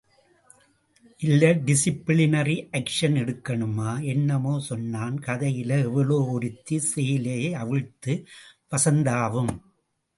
இல்ல disciplinary action எடுக்கணுமா... என்னமோ சொன்னான் கதையில... எவளோ ஒருத்தி சேலையை அவிழ்த்து... வசந்தாவும்.